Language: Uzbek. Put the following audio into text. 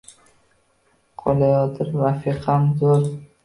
Qolayotir rafiqam zor